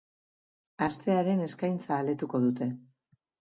Astearen eskaintza aletuko dute.